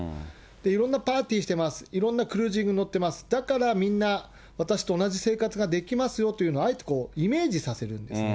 いろんなパーティーしてます、いろんなクルージング乗ってます、だからみんな、私と同じ生活ができますよというのをあえてこう、イメージさせるんですね。